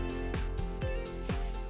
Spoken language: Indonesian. pengawasan dan pendampingan